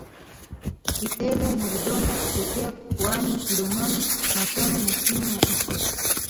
Vipele na vidonda kutokea puani mdomoni machoni na chini ya mkia